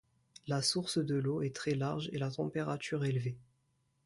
La source de l’eau est très large et la température élevée.